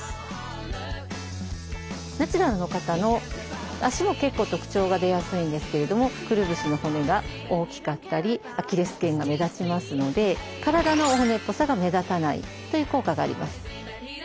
ナチュラルの方の足も結構特徴が出やすいんですけれどもくるぶしの骨が大きかったりアキレス腱が目立ちますので体の骨っぽさが目立たないという効果があります。